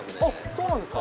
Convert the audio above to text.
そうなんですか？